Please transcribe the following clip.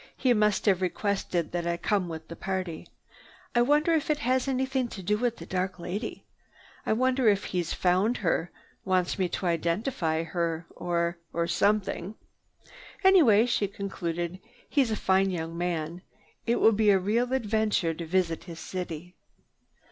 "He must have requested that I come with the party. I wonder if it has anything to do with the dark lady. Wonder if he's found her, wants me to identify her, or—or something. "Anyway," she concluded, "he's a fine young man. It will be a real adventure to visit his city."